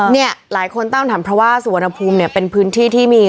เนี่ยหลายคนตั้งคำถามเพราะว่าสุวรรณภูมิเนี่ยเป็นพื้นที่ที่มี